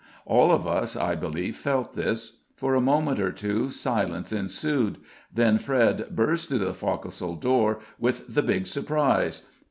All of us, I believe, felt this. For a moment or two silence ensued, then Fred burst through the fo'c'sle door with the big surprise.